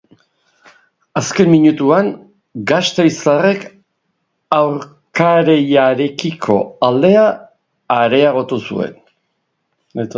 Azken minutuan, gasteiztarrek aurkareiarekiko aldea areagotu zuen.